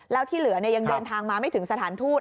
แล้วที่เหลือยังเดินทางมาไม่ถึงสถานทูต